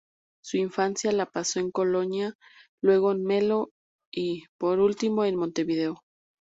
Su infancia la pasó en Colonia, luego en Melo y, por último en Montevideo.